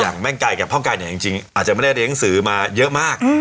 แม่งไก่กับพ่อไก่เนี่ยจริงอาจจะไม่ได้เรียนหนังสือมาเยอะมาก